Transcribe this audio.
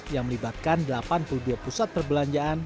yang melibatkan delapan puluh dua pusat perbelanjaan